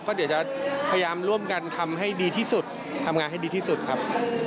ก็จะพยายามร่วมกันทำงานให้ดีที่สุดครับ